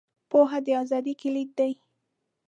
• پوهه، د ازادۍ کلید دی.